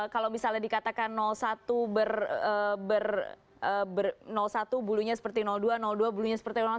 kalau misalnya dikatakan satu ber satu bulunya seperti dua dua bulunya seperti satu